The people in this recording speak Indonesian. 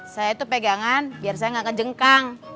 saya itu pegangan biar saya nggak kejengkang